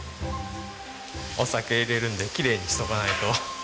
お酒入れるんできれいにしておかないと。